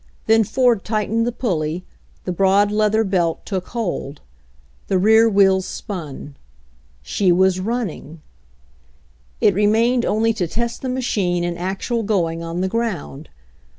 Then Ford tightened the pulley, the broad leather belt took hold. The rear wheels spun. She was running! It remained only to test the machine in actual going on the ground.